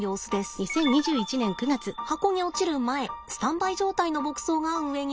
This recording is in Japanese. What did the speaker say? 箱に落ちる前スタンバイ状態の牧草が上にあります。